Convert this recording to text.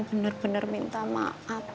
jangan dihargai fo